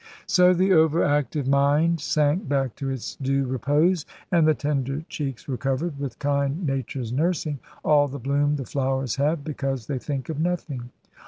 So the over active mind sank back to its due repose, and the tender cheeks recovered, with kind Nature's nursing, all the bloom the flowers have, because they think of nothing.